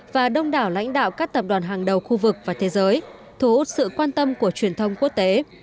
và đông đảo lãnh đạo các tập đoàn hàng đầu khu vực và thế giới thu hút sự quan tâm của truyền thông quốc tế